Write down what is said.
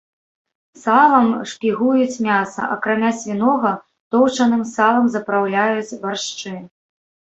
Салам шпігуюць мяса, акрамя свінога, тоўчаным салам запраўляюць баршчы.